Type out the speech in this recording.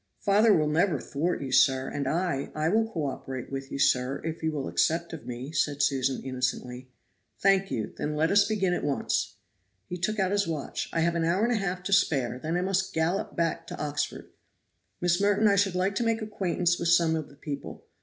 "Father will never thwart you, sir, and I I will co operate with you, sir, if you will accept of me," said Susan innocently. "Thank you, then let us begin at once." He took out his watch. "I have an hour and a half to spare, then I must gallop back to Oxford. Miss Merton, I should like to make acquaintance with some of the people.